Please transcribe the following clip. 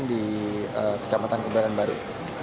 di kecamatan kebaran baru